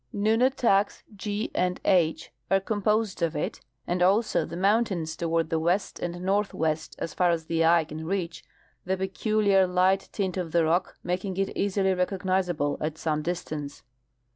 Nunataks G and H are composed of it, and also the moun tains toward the west and northwest as far as the eye can reach the peculiar light tint of the rock making it easily recognizable at some distance.